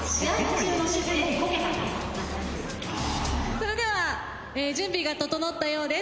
それでは準備が整ったようです。